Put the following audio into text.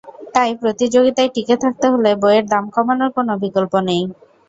তাই প্রতিযোগিতায় টিকে থাকতে হলে বইয়ের দাম কমানোর কোনো বিকল্প নেই।